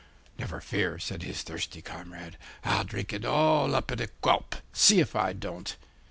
'Never fear,' said his thirsty comrade. 'I'll drink it all up at a gulp, see if I don't.